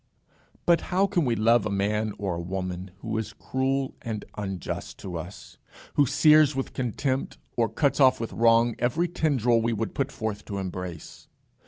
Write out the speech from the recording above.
But how can we love a man or a woman who is cruel and unjust to us? who sears with contempt, or cuts off with wrong every tendril we would put forth to embrace?